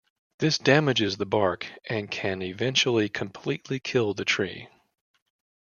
This damages the bark and can eventually completely kill the tree.